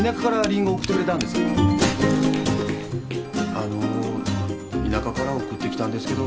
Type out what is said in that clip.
あの田舎から送ってきたんですけど。